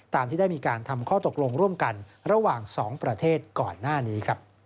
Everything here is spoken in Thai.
ที่ได้มีการทำข้อตกลงร่วมกันระหว่าง๒ประเทศก่อนหน้านี้